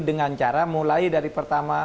dengan cara mulai dari pertama